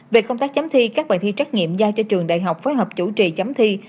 về công tác chấm thi các bài thi trắc nghiệm giao cho trường đại học phối hợp chủ trì chấm thi